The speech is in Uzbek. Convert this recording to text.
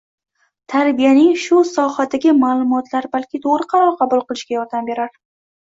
Tarbiyaning shu sohasidagi ma’lumotlar balki to‘g‘ri qaror qabul qilishga yordam berar.